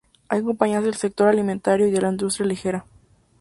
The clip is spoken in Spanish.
Hay compañías del sector alimentario y de la industria ligera.